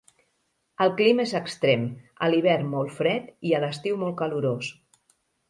El clima és extrem; a l'hivern molt fred i a l'estiu molt calorós.